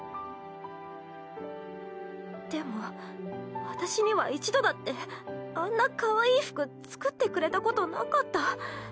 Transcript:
でも私には一度だってあんなかわいい服作ってくれたことなかった。